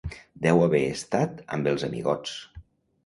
Deu haver estat amb els amigots!